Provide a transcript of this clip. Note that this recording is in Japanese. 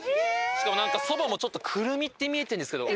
しかもなんかそばもちょっと「くるみ」って見えてるんですけど。